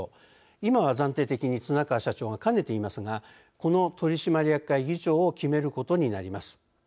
今は、暫定的に綱川社長が兼ねていますがこの取締役会議長を決めることになります。